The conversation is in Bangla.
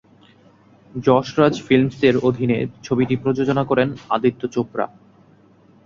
যশ রাজ ফিল্মসের অধীনে ছবিটি প্রযোজনা করেন আদিত্য চোপড়া।